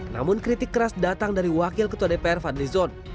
namun kritik keras datang dari wakil ketua dpr fadli zon